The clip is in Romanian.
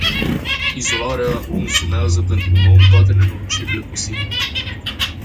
Izolarea însumează pentru un om toate nenorocirile posibile.